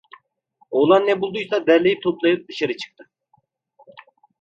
Oğlan ne buldu ise derleyip toplayarak dışarı çıktı.